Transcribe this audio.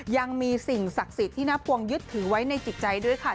ยังมีสิ่งศักดิ์สิทธิ์ที่น้าปวงยึดถือไว้ในจิตใจด้วยค่ะ